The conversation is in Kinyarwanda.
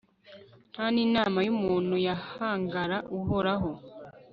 nta n'inama y'umuntu yahangara uhoraho